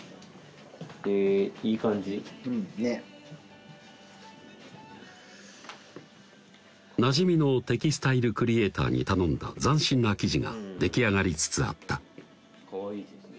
へぇいい感じうんねっなじみのテキスタイルクリエイターに頼んだ斬新な生地が出来上がりつつあったかわいいですね